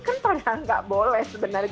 kan ternyata nggak boleh sebenarnya